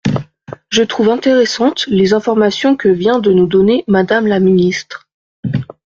Je trouve intéressantes les informations que vient de nous donner Madame la ministre.